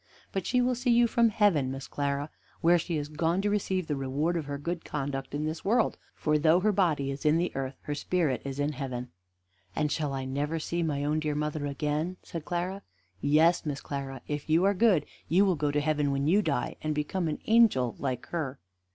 "But she will see you from heaven, Miss Clara, where she is gone to receive the reward of her good conduct in this world; for though her body is in the earth, her spirit is in heaven." "And shall I never see my own dear mother again?" said Clara. "Yes, Miss Clara; if you are good, you will go to heaven when you die, and become an angel like her."